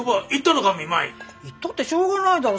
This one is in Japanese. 行ったってしょうがないだろ